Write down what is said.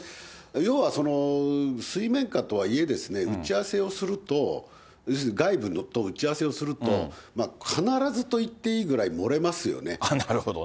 要は、水面下とはいえですね、打ち合わせをすると、要するに外部と打ち合わせをすると、必ずといっていいぐらい漏れますよね。